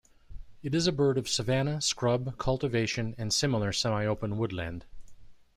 It is a bird of savanna, scrub, cultivation and similar semi-open woodland.